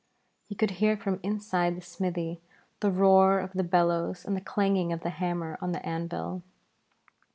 He could hear from inside the smithy the roar of the bellows and the clanging of the hammer on the anvil.